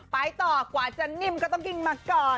ไปต่อกว่าจะนิ่มก็ต้องกินมาก่อน